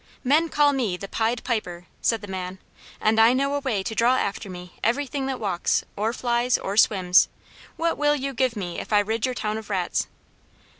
"Men call me the Pied Piper," said the man, "and I know a way to draw after me everything that walks, or flies, or swims. What will you give me if I rid your town of rats?"